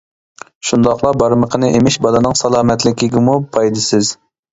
شۇنداقلا بارمىقىنى ئېمىش بالىنىڭ سالامەتلىكىگىمۇ پايدىسىز.